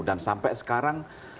dan sampai sekarang